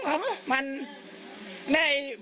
พี่ทีมข่าวของที่รักของ